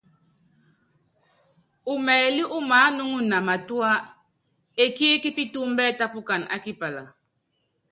Umɛlí umaánuŋuna matúá, ekííkí pitúúmbɛ tápukana á kipala.